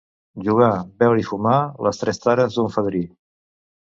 Jugar, beure i fumar, les tres tares d'un fadrí.